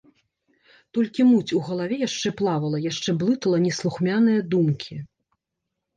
Толькі муць у галаве яшчэ плавала, яшчэ блытала неслухмяныя думкі.